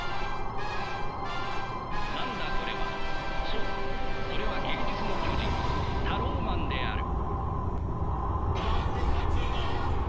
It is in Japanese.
そうそれは芸術の巨人タローマンである。